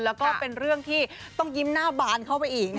แล้วก็เป็นเรื่องที่ต้องยิ้มหน้าบานเข้าไปอีก